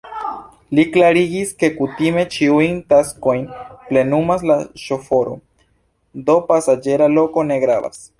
Li klarigis, ke kutime ĉiujn taskojn plenumas la ŝoforo, do pasaĝera loko ne gravas.